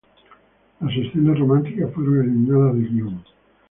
Las escenas románticas fueron eliminadas del guión.